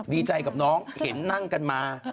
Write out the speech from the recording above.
ดีใจกับน้องเห็นนั่งกันมา